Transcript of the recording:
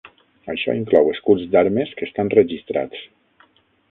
Això inclou escuts d'armes que estan registrats.